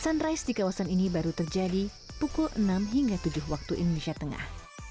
sunrise di kawasan ini baru terjadi pukul enam hingga tujuh waktu indonesia tengah